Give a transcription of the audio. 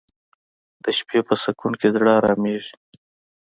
د شپې په سکون کې زړه آرامیږي